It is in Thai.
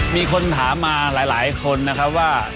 มีคนถามมาหลายคนนะครับว่า